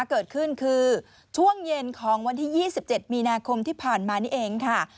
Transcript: เกิดขึ้นคือช่วงเย็นของวันที่๒๗มีนาคมที่ผ่านมานี่เองค่ะ